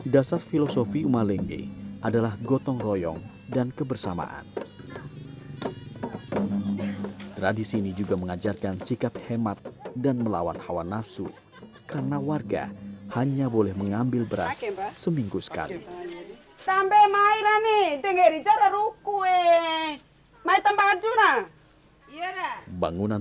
dasar filosofi uma lenge adalah gotong royong dan kebersamaan